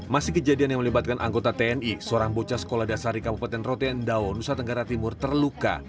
masih kejadian yang melibatkan anggota tni seorang bocah sekolah dasar di kabupaten rote endau nusa tenggara timur terluka